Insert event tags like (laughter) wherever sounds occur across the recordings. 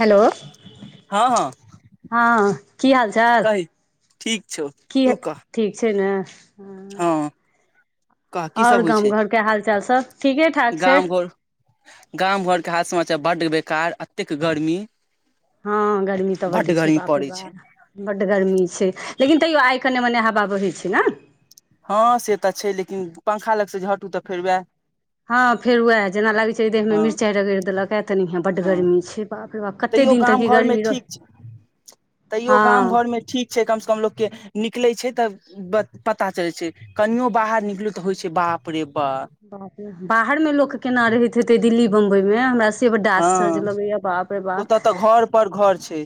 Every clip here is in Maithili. हेलो हँ हँ हँ की हाल चाल कही ठीक छौ की तू कह ठीक छै ने हँ कह की सब आओर होइ गाम छै घरके हाल चाल सब ठीके ठाक छै गाम घर गाम घरके हाथ समाचार बड्ड बेकार एतेक गर्मी हँ गर्मी तऽ बड्ड छै गर्मी बाप रै पड़ै बा छै बड्ड गर्मी छै लेकिन तैयो आइ कने मने हवा बहैत छै ने हँ से तऽ छै लेकिन पंखा लग से हटू तऽ फेर वएह हँ फेर उएह जेना लागैत छै देह मे हँ मिरचाइ रगड़ि देलक ए तेनाहिए बड्ड हँ गर्मी छै बाप रे बाप कते तैयो दिन गाम तक ई घर मे गर्मी ठीक रह छै तैयो हँ गाम घर मे ठीक छै कमस कम लोग के निकले छै तऽ पता चलै छै कनियों बाहर निकलू तऽ होइ छै बाप रे बा बाप रे बाहर मे लोक केना रहैत हेतै दिल्ली बम्बई मे हमरा सभ से बड्ड हँ आश्चर्चज लगैए ये बापे रे ओतऽ बाप तऽ घर पर घर छै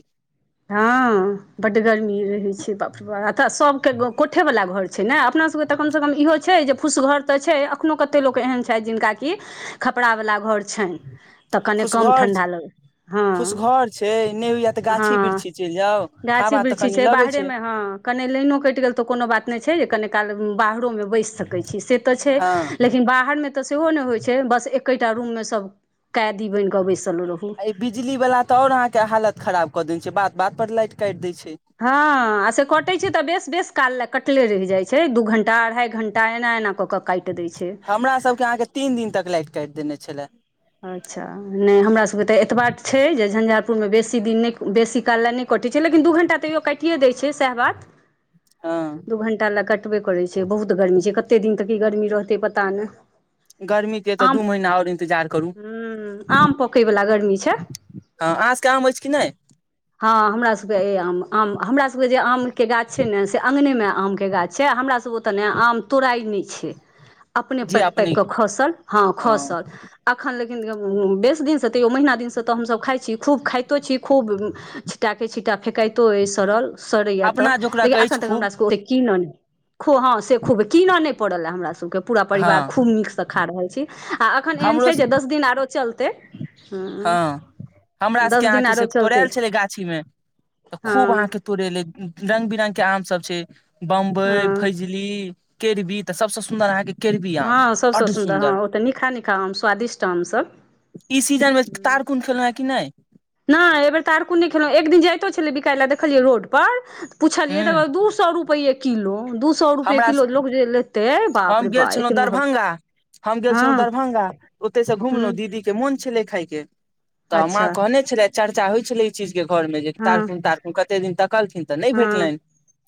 हँ बड्ड गर्मी रहैत छै बाप रे बा सब के कोठे वाला घर छै ने अपना सब के तऽ कम से कम इहो छै जे फूस घर तऽ छै अखनो कते लोक एहन छथि जिनका की खपड़ि वाला घर छैन तऽ कनी कम फुसघर ठण्डा लगैत हँ फुसघर छै नहि होइया तऽ गाछी हँ वृक्षी चलि जाउ गाछी हवा तऽ बिृक्षी कनि छै लगै बाहरेमे हँ कने लाइनो कटि कइट गेल तऽ कोनो बात नहि छै जे कनि काल बाहरोमे बैस सकै छी से तऽ छै हँ लेकिन बाहरमे तँ सेहो नहि होइ छै बस एकेटा रूममे सभ कैदी बनि कऽ बैस आ ई बिजली बाला तऽ आओर अहाँके हालत खराब कऽ दैत छै बात-बात पर लाइट काटि दैय छै हँ आ से कटै छै तऽ बेस-बेस काल ले कटले रहि जाय छै दू घंटा अढ़ाई घंटा एना-एना कऽ कऽ काटि दै छै हमरा सभकेँ अहाँके तीन दिन तक लाइट काटि देने छलै अच्छा नहि हमरा सभकेँ तऽ एतबा तऽ छै जे झन्झार पुरमे बेसी दिन नहि बेसी काल लए नहि कटै छै लेकिन दू घण्टा तैयो काटिए दैय छै सएह बात हँ दू घंण्टा लए कटबे करैत छै बहुत गर्मी छै कतेक दिन तक ई गर्मी रहतै पता नहि गर्मी के तऽ आम दू महीना आओर इन्तजार करू हुँ आम पकै बला गर्मी छै हँ अहाँ सबके आम अछि कि नहि हँ हमरा सभकेँ अए आम हमरा सभकेँ जे आमके गाछ छै ने से आंगनेमे आमके गाछ छै आ हमरा सब ओतए ने आम तोराय नहि छै अपने पाकि-पाकि कऽ खसल हँ खसल अखन ल उँ बेस दिनसँ तैयो महिना दिनसँ तऽ हमसब खाइ छी खूब खाइतो छी खूब छिट्टाके-छिट्टा फेकाइतो अछि सड़ल सड़ैय तऽ अपना जोकरा लेकिन अख अछि अखन तक हमरा खूब सबके कीन नै खूब हँ से खूब कीन नै पड़ल ए हमरा सबके के पूरा हँ परिवार खूब नीकसँ खा रहल छी आ एखन एहन हमरो छैय जे दस दिन आओरो चलतैय हँ, हमरा सभके दिन अहाँके आरो से चलतै तोड़ाएल छलैय गाछीमे तऽ खूब हँ अहाँके तोड़ेलै रंग-बिरंग के आम सब छै बम्बइ, हँ फैजली, केरबी तऽ सबसँ सुन्दर अहाँके केरबी आम, हँ सभसँ बड्ड हँ सुन्दर ओ तऽ नीकहा नीकहा आम स्वादिष्ट आमसभ ई सीजनमे तारकून खेलौं हें की नै नै, एहि बेेर तारकून नै खेलहुँ एक दिन जाइतो छलैय बिकाय लए देखलियै रोडपर पुछलियै तऽ ह कहलक दू सौ रुपैए किलो दू सौ रुपैए हमरा किलो लोक जँ लेतैय हम गेल छलहुँ दरभंगा हम गेल छलहुँ हँ दरभंगा ओतए सँ हँ घुमलहुँ दीदी के मोन छेलै खाइके तऽ माँ अच्छा कहने छलैये चर्चा होइ छलैय एहि चीज के घरमे जे हँ तारकुन-तारकुन कत्ते दिन तकलथिन तऽ नहि हँ भेटलनि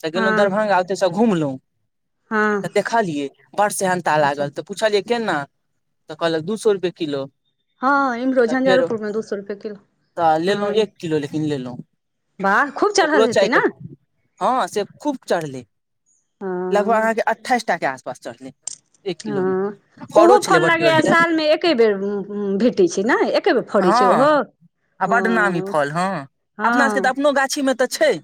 तऽ गेलहुँ हँ दरभंगा ओतैयसँ घुमलहुँ हँ पुछलियै बड्ड सेहनता अच्छा लागल तऽ पुछलियै केना तऽ कहलक दू सौ रुपैये किलो हँ इम्हरो तऽ फेर झंझारोपुर मे दू सौ रुपए किलो तऽ हँ लेलहुँ एक किलो लेकिन लेलहुँ वाह खूब ओकरो चढ़ल चारि हेतैय टा नै हँ से खूब चढ़लै लगभग हँ अहाँके अट्ठाइस टाके आसपास चढ़लै एक किलो मे हँ फड़ो ओहो छलै फल बड़की लगैए बड़की टा सालमे एके बेर भेटैत छै नै एक बेर फरै छै हँ ओहो आ बड्ड नामी ओ फल हँ अपना सभके तऽ हँ अपनो गाछीमे तऽ छै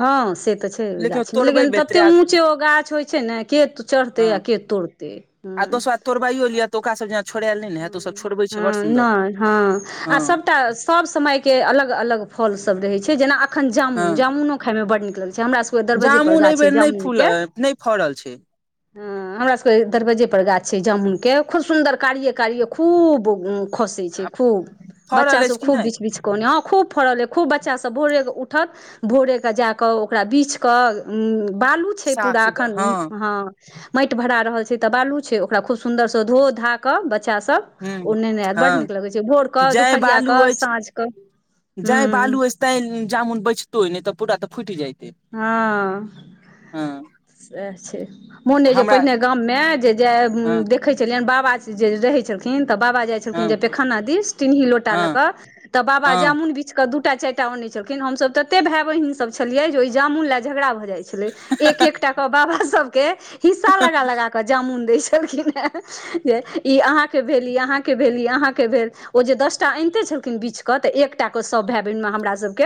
हँ से तऽ छै ओइ गाछिमे तोड़बै लेकिन ततेक बेतरा ऊँचे ओ गाछ होइ छै ने के चढ़तै आ हँ के तोड़तै हँ आ दोसरा तोरबाइयो लिए तऽ ओकरा सभ हँ नहि हँ आ हँ सभटा आ सब समयकेँ अलग-अलग फल सब रहैत छै जेना अखन हँ जामुन जामुनो खायमे बड्ड नीक लगैय छै हमरा सभकेँ दरबज्जे पर जामुन एहि गाछ छै बेर नहि फूल जामुनके नहि फड़ल छै हँ हमरा सभकेँ दरबज्जे पर गाछ छै जामुनकेँ खूब सुन्दर कारिए कारिए खूब खसै छै खूब बच्चा फड़ल सभ अछि कि खूब नहि बिछ-बिछ क अनैए हँ खूब फड़ल अइ खूब बच्चा सब भोरे कऽ उठत भोरे कऽ जाकऽ ओकरा बिछकऽ उँ बालू छै साफ पूरा सुथरा अखन हँ माटि भरा रहल छै तऽ बालू छै ओकरा खूब सुन्दरसँ धो-धा कऽ बच्चा सभ ह ओ नेने आएत बड्ड हँ नीक लगै छै भोर कऽ दुपहरिया कऽ साँझ कऽ हूँ जांइ बालू अछि तैँ जामुन बचितो अछि नहि तऽ पूरा तऽ फुटि जाएत हँ सैह छै मोन अइ जे हमरा पहिने गाममे जे हँ देखैय छलियनि बात जे रहै छथिन तऽ बाबा जाइ छलखिन जे हँ पैखाना दिस टीन्ही लोटा ल हँ क तऽ बाबा हँ जामुन बिछ क दू टा चारिटा अनैइ छलखिन हमसब तते भाय बहिन सब छलियै जे ओहि जामुन लग झगड़ा भेल दै छलै एक एक टा के बाबा सब के हिस्सा लगा लगा के जामुन दै छल दैइ छलखिन है जे ई आहां के भेल ई आहां के भेल ई आहां के भेल ओ जे दसटा अनिते छलखिन छलखिन बीछ क तऽ एकटा के सब भाय बहिन में हमरा सबके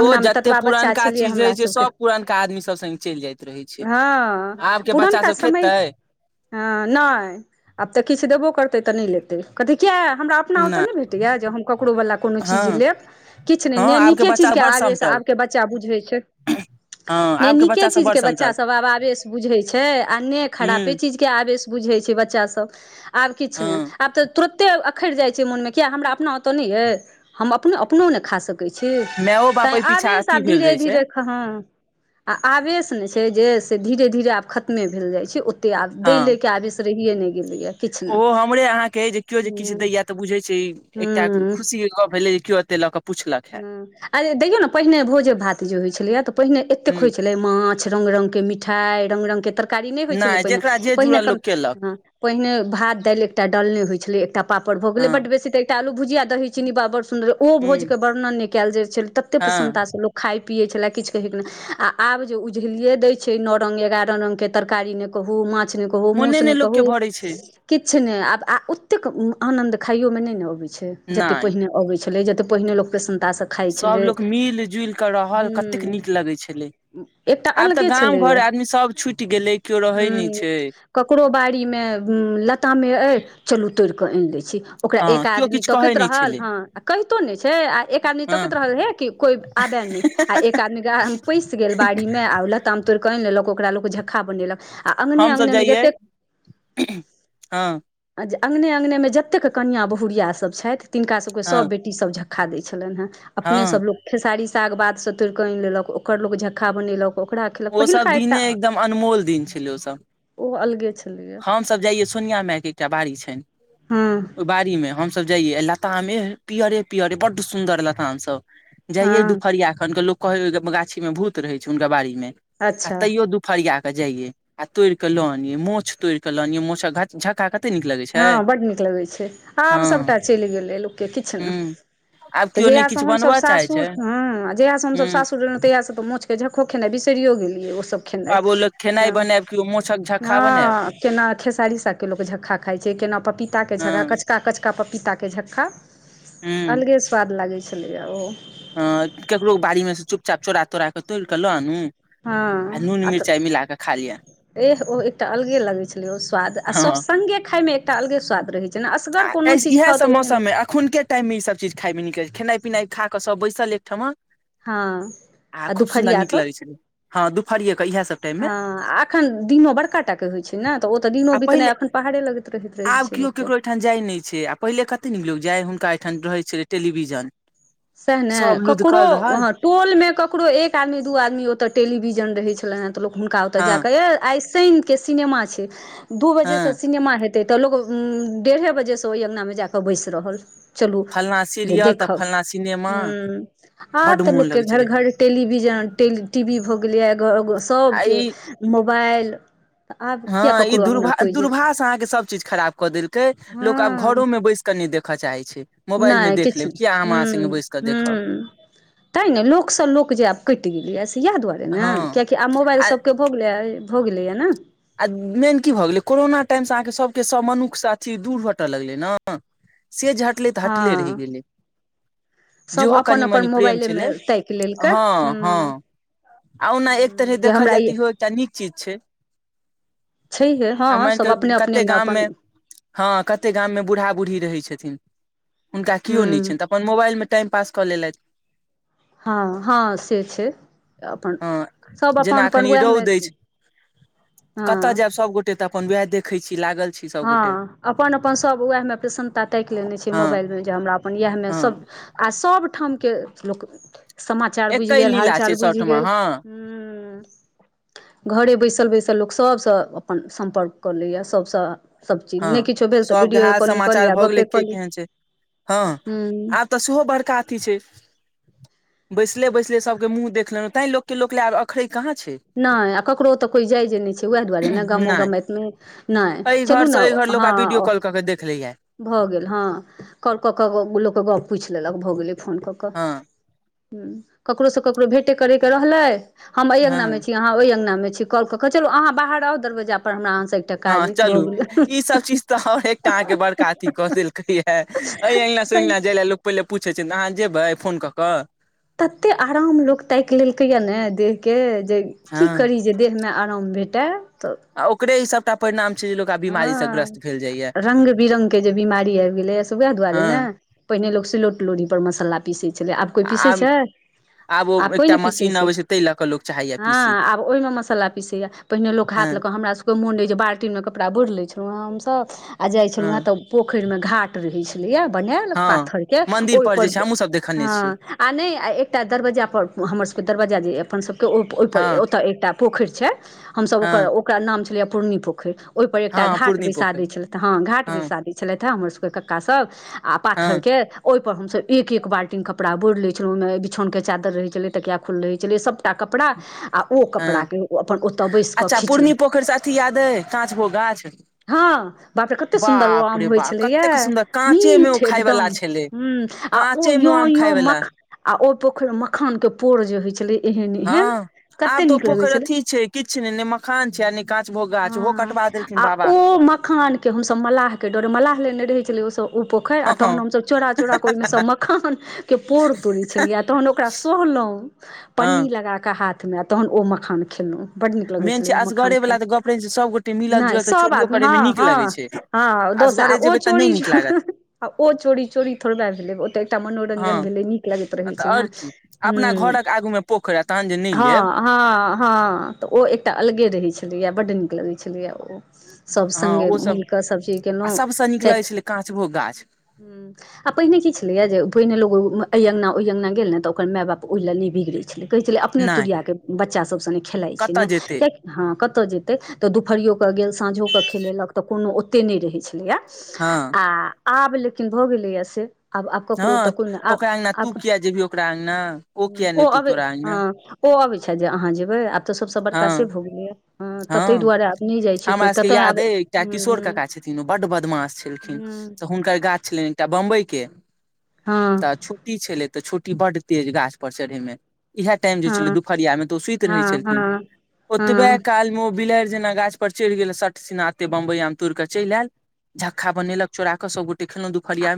ओ जते पुरनका चीज रहय हमरा छै जे सभके सब पुरान का आदमी सब संगे चलि जाइत रहै छै हँ आब के बच्चा पुरनका सब समय खेतै हँ नै आब तऽ किछु देबो करतै तऽ नै लेतै कहतैइ किया क हमारा अपना ओत नहि नै भटैय जे हम ककरो बाला कोनो हँ चीज लेब किछ नै हँ न आबके नीके बच्चा चीज के बड़ आवेश समटल सबके बच्चा बुझै छै हँ ने आबके नीके बच्चा सब चीज बड़ के बच्चा समटल सब आब आवेश बुझैय छै आ न हूँ खरापे चीज के आवेश बुझैय छै बच्चा सब आब किछु नहि हँ आब तऽ तुरते अखरि जाइ छैइ मोनमें किया हमरा अपना ओतऽ नैअयऽ हम अपनो अपनों नै खा सकै छी सकै मायओ छी बाप तैं एहि पीछा आबेश अथी आब भेल धीरे रहै छै धीरे हां आ आबेस ने छैइ जे से धीरे धीरे आब खतमें भेल जाइ छै ओ आब दै हँ ले के आबेश आब रहिये नै गेलैय ये ओहो हमरे अहाँ के अई जे केओ जे किछु दैए तऽ बुझैइ छैइ एकटा खुशीके गप भेलै जे केएओ देलक हूं आयं देखियौ न पहिने भोजे भात जे होइत छलैए तऽ पहिने एतेक ह होइत छलै मान रंग रंग के मिठाई रंग रंग के तर तरकारी नई होइ छलै नहि पहिने जेकरा जे पहिने जुड़ल लोक केलक पहिने भात दाल एकटा डलने होई छलैइ एकटा पापड़ भऽ गेलै हँ बड्ड बेसीऽ एकटा आलू भुजिया दही चीन्नी बड्ड सुन्दर ओ भोज हूँ न नई कयल जाइ छलैइ तते प्रसन्नता हँ से लोक खाइ पीअई छलाह किछु कहे के नई आब जे उझिलिये दै छै नौ रंग एगारह रंग के तरकारी नहि कहू माछ कहू मुंह मोने से नई नहि लोकके कहू भरै छै किछ छै ने आब आ ओतेक आनन्द खाइयों में नहि ने अबैइ छै जतेक पहिने अबै छलैय जतेक पहिने लोकके शन सबलोग मिल जुलि कऽ रहल कतेक हूँ नीक लगै छलै एकटा आब तऽ अलगे गाम छलैया घर आदमी सब छुटि गेलै केओ रहै नहि हूँ छै ककरो बाड़ीमे लतामे अइ चलू तोड़ि के आनि दै छी ओकरा हँ एक केओ आदमी किछु कहै तकैत नहि रहल छलै हं आ क छै आ एक आदमी हँ तकैत रहल हे कि कोई आबे नहि आ एक आदमी पैसि गेल बाड़ी में आ लताम तोड़ि क आइन लेलक ओकरा लोक झक्का बनेलक आ अंगने हमसभ अंगने में जइयै जतेक हँ अङ्गने अङगने में जतेक कनिआ बहुुरिया सब छथि तिनका सबके हँ सब बेटी सब झक्खा दै छलनि हँ हँ अपने सब लोक खेसारी साग बाद से तोड़ कऽ आनि लेलक ओकर लोग झक्का बनेलक ओकरा खेलक ओसब पहिलका एकटा दिने एकदम अनमोल दिन छलै ओसब ओ अलगे छलैया हमसब जाइये सोनिया मायके एकटा बाड़ी छनि हँ ओ बाड़ी में हम सब जाइये लताम एह पियरे पियरे बड्ड सुंन्दर लताम सब जइअई हँ दुपहरिया खन क लोक स कहै कि गाछी में भूत रहै छै हुनका बाड़ी में आ अच्छा तैयो दुपहरिया के जाइयए आ तोड़िकऽ ल अनिअई मोछ तोड़िकऽ ल अनिअई मोछक झक्का क हं बड्ड नीक लगै छै आब सबटा हँ चलि गेलै लोकके किछु नहि हुँ आब तऽ केओ नहि जहिया से किछु हमसब बनबऽ चाहै छै सासुर हूं आ जहिया से हमसब हुँ सासुर रहलहुँ तहियासे तऽ मोछ के झक्खा खेनाई बिसरियो गेलियै आब ओ लोक खेनाइ खेनाय बनायब केओ माछक झक्का बनायब ह खेसारी साग के झक्का क खाइत छैइ केना पपीताके हँ झक्का कचका कचका पपीताके झक्का अलगे स्वाद लागै छलैए ओ हूं केकरो बाड़ी में से चुपचाप चोरा तोरा कऽ तोड़ि कऽ लआनु हँ आ नून मिरचाइ मिला कऽ खाय एह ओ एकटा अलगे लगै छलै ओ स्वाद आ हँ सब संगगे खायमे एकटा अलगे स्वाद रहै छल आ इहे सब मौसम मे एखुन के टाइम मे ई सब चीज खाय मे निक लगे खेनाइ पिनाइ खाकऽ सब बैसल एक ठमा हँ आ दुपहरिया नीक क लगै छलै हँ दुपहरिये के इएह सब टाइम मे हँ एखन दिनो बड़का टाके होइ छै ने तऽ ओ तऽ दिनो आ बितनाइ पहिले एखन पहाड़े लगेत आब केओ केकरो एहिठाम जाय नहि छै आ पहिले कतेक नीक लोक जाय हुनका एहिठाम रहैय छलै टेलीविजन सएह ने सब ककरो लुधकल रहल ह टोल मे ककरो एक आदमी दू आदमी ओतऽ टेलीविजन रहैत छै तऽ हुनका ओत हँ जाक आइ शनि के सिनेमा छै दू बजे हँ से सिनेमा हे एतै तऽ लोक डेढ़े बजेसँ ओहि अङ्गना मे जाकऽ बैसि रहल चलू फल्लाँ जे सीरियल तऽ देखब फल्लाँ सिनेमा ह बड आब तऽ मोन लोक के लगै घर छलै घर टेलीविजन टेली टीवी भऽ गेलैया आ सबके ई मोबाइल तऽ आब किया हँ ई ककरो अङ्गना दूर्भा कोइ जेतै दूर्भाष अहाँके सभ चीज खराब कऽ देलकै लोक आब घरोमे बैस कऽ नहि देख ख चाहै छै मोबाइल मे नइ देख किछ लेब नै किया हम अहाँ हूँ संगे बैस कऽ देखब हूँ तैँ ने लोक सँ लोक जे आब कटि गेलैए से यैह दुआरे ने हँ कियाकि आब मोबाइल आ सभके भऽ गेलैया हो गेलैया ने आ मेन की भऽ गेलै कोरोना टाइम सँ अहाँके सभके सभ मनुख सँ अथी दूर हटय लगलै न से जे हटलै तऽ हटले रहि हँ गेलै सभ जेहो अपन कनि अपन मनि प्रेम छलै मोबाइलेमे ताकि लेलकै हँ हँ हूँ आ ओना एक तरहे जे देखल हमरा जाय ई तऽ इहो एकटा नीक चीज छै छैहे आ हँ माइन सभ कऽ अपने कते अपनेमे गाम मे अपन हँ कते गाम मे बूढ़ा बूढ़ी रहैत छथिन हुनका केओ नहि हूँ छनि तऽ अपन मोबाइलमे टाइम पास कऽ लेलथि हँ हँ से छै अपन हँ सब अपन अपन वैह मे कतऽ जायब सबगोटे तऽ अपन वएह देखै छी लागल छी सभगोटे हँ अपन अपन सभ उएहमे प्रसन्नता ताकि लेने छै हँ मोबाइल मे जे हमरा अपन इएह मे हँ सभ आ सभ ठाम के लोक समाचार बुझि एके गेल हाल लीला चाल छै बुझि सभठमा गेल हँ हू घरे बैसल बैसल लोक सभसँ अपन सम्पर्क कऽ लैइया सभ सँ सभचीज हँ नहि किछो भेल तऽ सभके वीडियौए हाल कॉलिंग कऽ समाचार लीआ भऽ गप्पे गेलै कऽ के ली केहन छै हँ हूँ आब तऽ सेहो बड़का अथी छै बैइसले बैइसले सब के मुँह देखलेलौं तैं लोक के लोक ले आब अखरइ नइ आ ककरो ओतऽ कोइ जाय जे नइ छै उएह दुआरे ने गामो नहि गमाइत मे नहि एहि चलू घर से एहि घर लोक आ वीडियो हँ कॉल कऽ के देख लैया भऽ गेल हँ कॉल कऽ कऽ लोकके गप पूछि लेलक भऽ गेलै फोन कऽ कऽ हँ हूँ ककरो सँ ककरो भेटे करे के रहलै हम एहि अंगनामे हँ छी अहाँ ओहि अंगनामे छी कॉल कऽ कऽ चलू अहाँ बाहर आउ दरवजा पर हमरा एकटा हँ काज अइ भऽ चलू गेलै ई सब चीज तऽ आओर एकटा अहाँके बड़का अथी कऽ देलकै ये अइ यइ इ अंगना सँ ओइ अंगना जाय लए लोक पहिले पूछै छै अहाँ जेबै फोन कऽ कऽ तते आराम लोक ताकि लेलकै या ने देह के जे की हँ करी जे देहमे आर आराम भेटा आ ओकरे ई सबटा परिणाम छै जे लोक आब बीमारी से ग्रस्त ह भेल जाइया रंग बिरंग के जे बिमारी आबि गेलेया से वैह दुआरे हँ ने पहिने लोक सिलौट लोढी पर मसाला पीसै छलइ आब कोइ पीसै आब छै ओ आब कोइ एकटा ने पीसै मशीन छै अबै ताहि लऽ कऽ लोक चाहैया हँ पीसी आब ओहिमे मसाला पीसैए पहिने लोक हँ हाथ लऽ कऽ हमर सभके मोन ऐ जे बाल्टीमे कऽ कपरा बोइर लइ छलउं हें हमसभ आ जाइ छलउं हँ तऽ पोखरि मे घाट रहै छलैया बनैल हँ पाथर के मंदिर पर जे ओइपर छै हमहुँ सब देखने छियै हँ आ नहि आ एकटा दरवज्जा पर हमरसभके दरवज्जा जे अइ अपनसभके ओहिपर हँ ओतय एकटा पोखरि छै हमसभ ओकर हँ ओकरा नाम छलैयै पूर्नी पोखरि ओहिपर एकटा हँ घाट पूर्णी बैसा पोखरि दैत छलथि हँ घाट बैसा दै छलथि हेँ हमरसभके कक्कासभ आ हँ पाथरके ओहि पर हमसब एक एक बाल्टीन कपड़ा बोरि लैत छलहुॅं ओइमे बिछौन के चादर रहै छलेै तकिया के खोल रहै छलै सबटा कपड़ा आ ओ हँ कपड़ाके अपन ओतय बैस कऽ खीचलहुँ (inaudible) हँ बापरे कतेक सुन्दर ओ बाप आम रे होइ बाप छलैया कतेक सुन्दर काँचे मे ओ मीठ एकदम खायवला छलै हूं आ ओ काँचे मे यो आम यो खायवला मख आ ओ पोखरि मखान के पोर जे होइ छलै एहन एहन हँ कते आब तऽ ओ नीक लगै पोखरि छलै अथी छै किछु ने ने मखान छै आ नहि पांच गो गाछ हँ ओहो कटवा देल आ ओ मखान के हमसभ मलाह के डरे मलाह लेने रहै छलै ओसभ ओ पोखरि आ हँ हँ तहन हमसभ चोरा चोराक कऽ ओहिमेसँ मखानके पोर तोड़ै छलियै आ तहन ओकरा सोहलहुँ लहु हँ पन्नी लगाके हाथ मे तहन ओ मखान खेलौं बड्ड नीक लगै मेन छलै छै ओ मखान असगरे खाय वाला तऽ गप रहै छै सबगोटे मे मिलल नहि जुलल तऽ सब चोरियो आदमी करे मे हँ नीक लगे हँ छै हँ दोस असगरे ओ जेबै तऽ नहि चोरी नीक लागत आ ओ चोरी चोरी थोरबै भेलै ओत एकटा मनोरंजन हँ भेलै नीक लागैत रहै तऽ छै ने आओर की अपना ह घरक आगू मे पोखरि आ तहन जे नहि लेब हँ हँ हँ तऽ ओ एकटा अलगे रहैत छलैया बड्ड नीक लगै छलैए ओ सभ हँ संगे ओ सब मिलि कऽ सभचीज आ कयलहुँ सबसँ नीक लगै छठि छलै काँचबो गाछ हूं आ पहिने की छलैय जे पहिने लोको अइ अंगना ओइ अंगना गेल ने तऽ ओकर माय बाप ओहि लए नहि बिगड़ै छलै कहै छलै अपने नहि तुरियाके बच्चा सभ संगे खेलाइत छै ने कतय जेतै कियाकि हँ कतय जेतै तऽ दुपहरियओ कऽ गेल साँझोकेऽ खेलेलक तऽ कोनो ओतेक नहि रहै छलैया हँ आ आब लेकिन भऽ गेलैया से आब आब हँ ककरो तऽ कोइ नहि आ ओकरा अङगना आ तू किया जेबही ओकरा अङगना किया ने ओ एतौ अबै तोरा हँ अङगना ओ अबैत छैथ जे अहाँ जेबै आब तऽ सबसँ बड़का हँ से भऽ गेलैया तऽ तैं हँ दुआरे आब नै जा हमरा सबके याद ऐ एकटा किशोर काका छथिन ओ बड्ड बदमास छलखिन हूँ तऽ हुनकर गाछ छलनि एकटा बम्बई के तऽ हँ छुट्टी छलै तऽ छोटी बड्ड तेज गाछ पर चढ़ै मे इहे टाइम जे छलै हँ दुपहरिया मे तऽ ओ सुति रहै हँ छलखिन हँ हँ ओतबे काल मे ओ बिलारि जेना गाछ पर चढ़ि गेल सट सिना एत्ते बम्बई आम तोड़ि कऽ चलि आयल झक्का बनेलक चोरा के सभगोटे खेलहुँ दुपहरिया मे